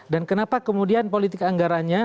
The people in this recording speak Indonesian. dan kenapa kemudian politik anggarannya